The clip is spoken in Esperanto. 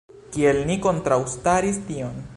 Kiel ni kontraŭstaris tion?